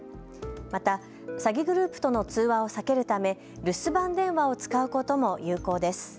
また詐欺グループとの通話を避けるため留守番電話を使うことも有効です。